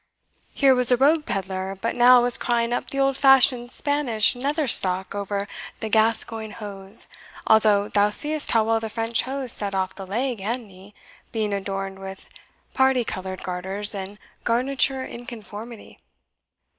Here was a rogue pedlar but now was crying up the old fashioned Spanish nether stock over the Gascoigne hose, although thou seest how well the French hose set off the leg and knee, being adorned with parti coloured garters and garniture in conformity."